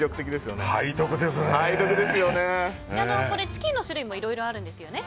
チキンの種類もいろいろあるんですよね。